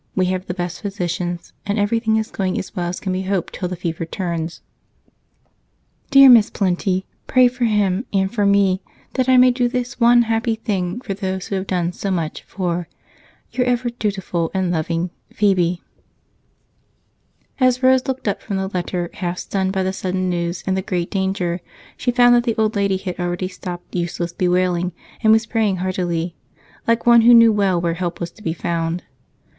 We have the best physicians, and everything is going as well as can be hoped till the fever turns. Dear Miss Plenty, pray for him and for me, that I may do this one happy thing for those who have done so much for Your ever dutiful and loving PHEBE As Rose looked up from the letter, half stunned by the sudden news and the great danger, she found that the old lady had already stopped useless bewailing and was praying heartily, like one who knew well where help was to be found.